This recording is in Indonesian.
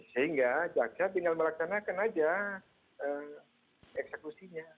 sehingga jaksa tinggal melaksanakan aja eksekusinya